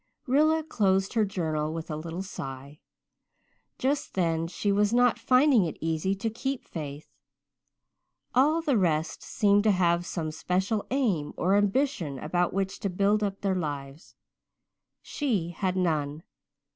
'" Rilla closed her journal with a little sigh. Just then she was not finding it easy to keep faith. All the rest seemed to have some special aim or ambition about which to build up their lives she had none.